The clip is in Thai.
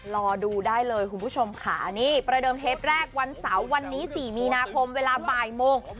รอดูได้เลยคุณผู้ชมค่ะนี่ประเดิมเทปแรกวันเสาร์วันนี้๔มีนาคมเวลาบ่ายโมง